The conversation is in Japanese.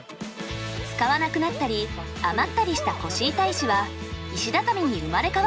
使わなくなったり余ったりした腰板石は石畳に生まれ変わっています。